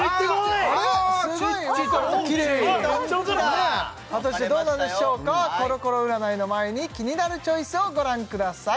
あれっキレイに果たしてどうなんでしょうかコロコロ占いの前に「キニナルチョイス」をご覧ください